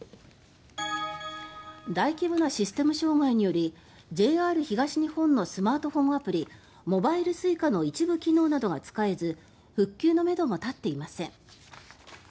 大規模なシステム障害によりＪＲ東日本のスマートフォンアプリモバイルＳｕｉｃａの一部機能などが使えず復旧のめども立っていません。